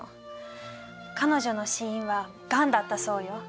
彼女の死因はガンだったそうよ。